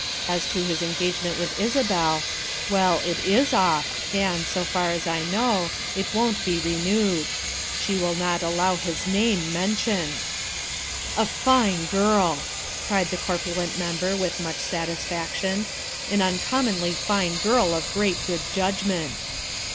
As to his engagement with Isabel, well, it is off, and, so far as I know, it won't be renewed. She will not allow his name mentioned." "A fine girl," cried the corpulent Member with much satisfaction, " an uncommonly fine girl of great good judgment."